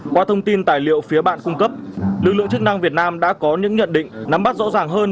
qua thông tin tài liệu phía bạn cung cấp lực lượng chức năng việt nam đã có những nhận định nắm bắt rõ ràng hơn